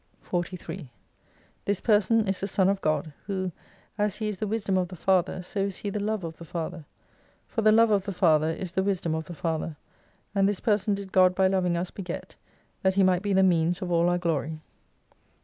43 This Person is the Son of God : who as He is the "Wisdom of the Father, so is He the Love of the Father, For the Love of the Father is the Wisdom of the Father. And this Person did God by loving us, beget, that He might be the means of all our glory.